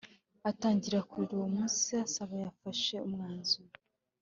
atangira kuririra Uwo munsi Saba yafashe umwanzuro